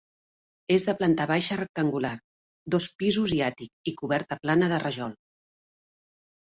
És de planta baixa rectangular, dos pisos i àtic, i coberta plana de rajol.